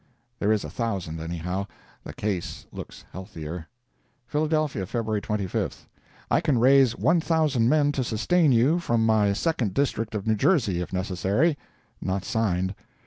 There is a thousand anyhow. The case looks healthier. Philadelphia, Feb. 25—I can raise one thousand men to sustain you from my Second District of New Jersey, if necessary. Not signed.